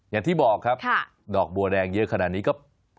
อย่างที่บอกครับดอกบัวแดงเยอะขนาดนี้ก็